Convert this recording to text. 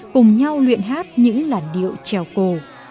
cùng nhau luyện hát những làn điệu trèo cổ